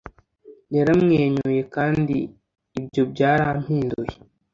Yaramwenyuye kandi ibyo byarampinduye